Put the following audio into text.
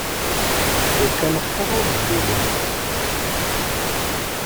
Lukan xir ur d-tlulemt.